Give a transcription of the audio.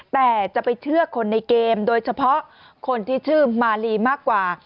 แต่จะไปเชื่อคนในเกมโดยเฉพาะคนที่ชื่อมาลีมากกว่า